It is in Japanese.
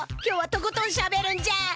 今日はとことんしゃべるんじゃ！